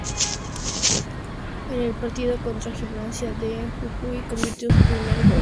En el partido contra Gimnasia de Jujuy convirtió su primer gol en su carrera.